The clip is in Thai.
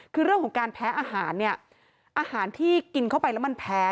คือเรื่องของการแพ้อาหารเนี่ยอาหารที่กินเข้าไปแล้วมันแพ้